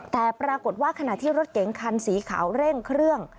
แต่ปรากฏว่าขณะที่รถเก๋งคันสีขาวเร่งเครื่อง